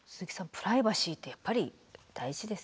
プライバシーってやっぱり大事です。